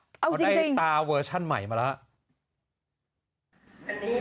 เขาได้ตาเวอร์ชั่นใหม่มาแล้ว